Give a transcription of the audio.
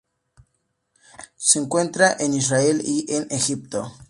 Se encuentra en Israel y en Egipto.